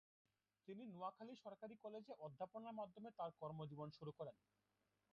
তিনি নোয়াখালী সরকারি কলেজে অধ্যাপনার মাধ্যমে তার কর্মজীবন শুরু করেন।